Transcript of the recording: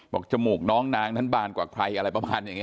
จมูกน้องนางนั้นบานกว่าใครอะไรประมาณอย่างนี้